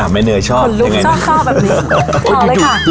อ่ะแม่เนื้อชอบคุณลุกชอบแบบนี้ต่อเลยค่ะ